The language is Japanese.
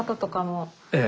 ええ。